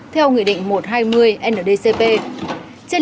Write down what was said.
theo người định